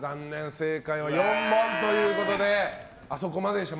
正解は４問ということであそこまででした。